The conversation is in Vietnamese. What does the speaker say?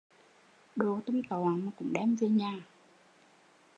Đồ tam toạng mà cũng đem về nhà